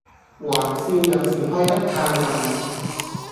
玩笑有時開得太大